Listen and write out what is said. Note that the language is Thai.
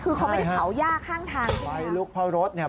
คือเขาไม่ได้เผาหญ้าข้างทางใช่ไหมครับใช่ครับใช่ครับใช่ครับใช่ครับ